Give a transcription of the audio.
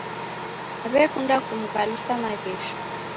W'ekunda kumghalusa maghesho.